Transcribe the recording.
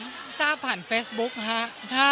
ทราบผ่านเฟซบุ๊คฮะ